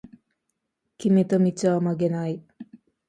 決めた道は曲げない